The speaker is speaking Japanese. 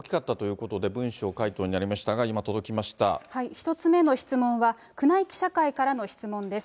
１つ目の質問は、宮内記者会からの質問です。